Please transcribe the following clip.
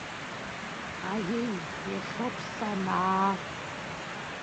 Аиеи, иахьоуп санаа.